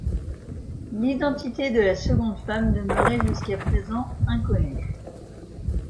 L'identité de la seconde femme demeurait jusqu'à présent inconnue.